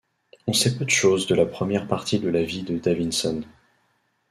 On sait peu de choses de la première partie de la vie de Davidson.